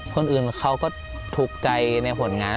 คนอื่นเขาก็ถูกใจในผลงาน